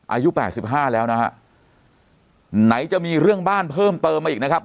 อายุ๘๕แล้วนะไหนจะมีเรื่องบ้านเพิ่มเติมมาอีกนะครับ